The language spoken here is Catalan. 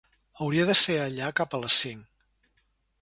Hauria de ser allà cap a les cinc.